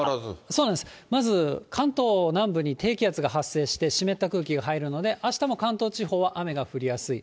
そうなんです、まず関東南部に低気圧が発生して、湿った空気が入るので、あしたも関東地方は雨が降りやすい。